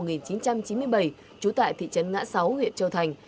năm một nghìn chín trăm chín mươi bảy trú tại thị trấn ngã sáu huyện châu thành